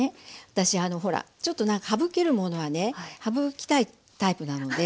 私ほらちょっと何か省けるものは省きたいタイプなので。